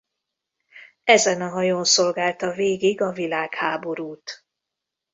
Ezen a hajón szolgálta végig a világháborút.